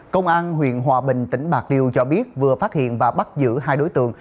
công an huyện hòa bình tỉnh bạc liêu cho biết vừa phát hiện và bắt giữ hai đối tượng